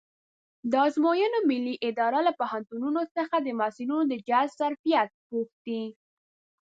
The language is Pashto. د ازموینو ملي اداره له پوهنتونونو څخه د محصلینو د جذب ظرفیت پوښتي.